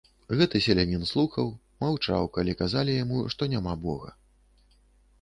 Гэты селянін слухаў, маўчаў, калі казалі яму, што няма бога.